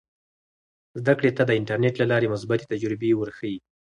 زده کړې ته د انټرنیټ له لارې مثبتې تجربې ورښیي.